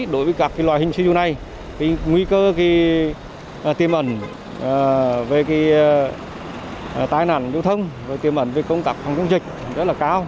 đối với các loài hình siêu dụng này nguy cơ tiềm ẩn về tai nạn biểu thông tiềm ẩn về công tác phòng dịch rất là cao